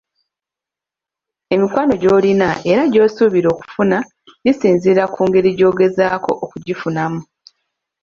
Emikwano gy'olina era gy'osuubira okufuna gisinziira ku ngeri gy'ogezaako okugifunamu.